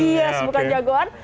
iya bukan jagoan